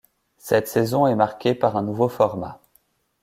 Cette saison est marquée par un nouveau format.